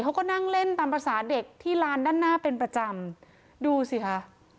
เขาก็นั่งเล่นตามภาษาเด็กที่ลานด้านหน้าเป็นประจำดูสิค่ะ